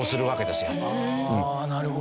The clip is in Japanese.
なるほど。